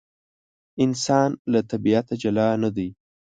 انسان له طبیعته جلا نه دی.